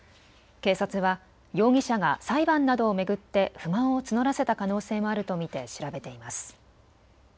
警察は容疑者が裁判などを巡って不満を募らせた可能性もあると見て調べています。